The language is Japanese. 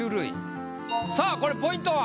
さあこれポイントは？